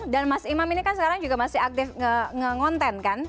dan mas imam ini kan sekarang juga masih aktif nge ngonten kan